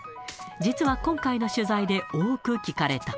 実は今回の取材で多く聞かれた。